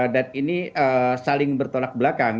dan ini saling bertolak belakang